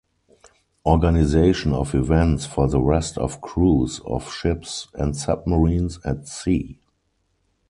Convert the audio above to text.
Organization of events for the rest of crews of ships and submarines at sea.